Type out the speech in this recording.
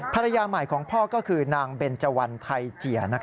ภรรยาใหม่ของพ่อก็คือนางเบนเจวันไทยเจีย